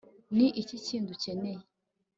ni iki kindi ukeneye